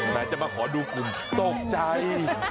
จะมาขอดูกลุ่มตกใจ